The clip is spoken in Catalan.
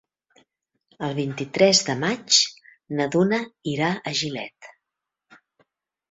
El vint-i-tres de maig na Duna irà a Gilet.